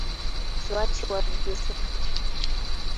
Lwaki wabbye sente?